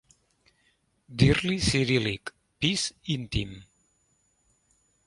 Dir-li ciríl·lic: pis íntim.